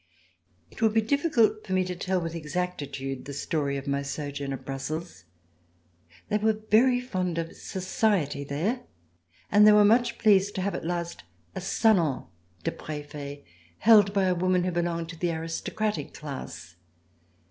It would be difficult for me to tell, with exactitude, the story of my sojourn at Brussels. They were very fond of society there and they were much pleased to have at last a salon de Prefet held by a woman who belonged to the aristocratic class.